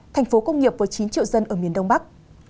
thành phố công nghiệp với chín triệu dân ở miền đông bắc